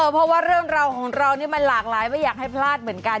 เพราะว่าเรื่องราวของเรานี่มันหลากหลายไม่อยากให้พลาดเหมือนกัน